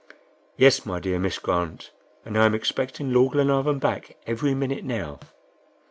"Yes, my dear Miss Grant, and I am expecting Lord Glenarvan back every minute now."